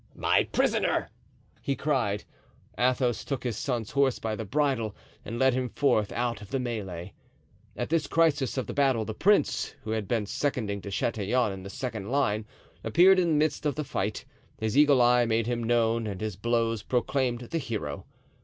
"My prisoner!" he cried. Athos took his son's horse by the bridle and led him forth out of the melee. At this crisis of the battle, the prince, who had been seconding De Chatillon in the second line, appeared in the midst of the fight; his eagle eye made him known and his blows proclaimed the hero.